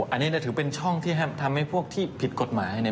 อันนี้ถือเป็นช่องที่ทำให้พวกที่ผิดกฎหมายเนี่ย